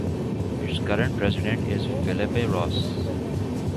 Its current president is Philippe Rossi.